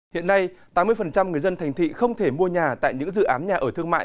hiện nay tám mươi người dân thành thị không thể mua nhà tại những dự án nhà ở thương mại